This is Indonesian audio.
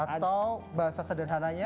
atau bahasa sederhananya